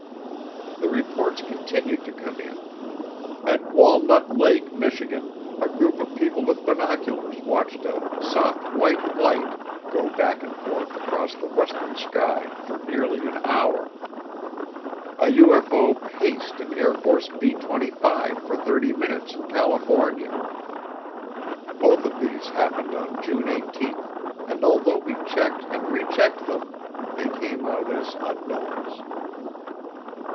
The reports continued to come in. At Walnut Lake, Michigan, a group of people with binoculars watched a "soft white light" go back and forth across the western sky for nearly an hour. A UFO "paced" an Air Force B 25 for thirty minutes in California. Both of these happened on June 18, and although we checked and rechecked them, they came out as unknowns.